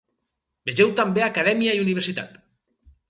Vegeu també acadèmia i universitat.